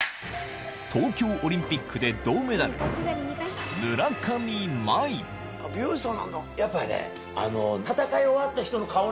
東京オリンピックで銅メダルやっぱりね。